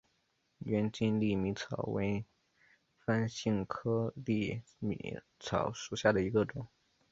无茎粟米草为番杏科粟米草属下的一个种。